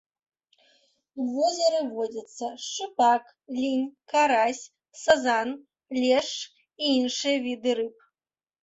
У возеры водзяцца шчупак, лінь, карась, сазан, лешч і іншыя віды рыб.